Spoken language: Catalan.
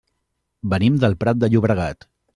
Venim del Prat de Llobregat.